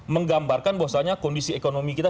menggambarkan bahwasannya kondisi ekonomi kita